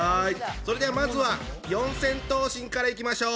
それではまずは四千頭身からいきましょう！